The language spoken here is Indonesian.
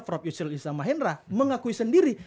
frop yusril isamahendra mengakui sendiri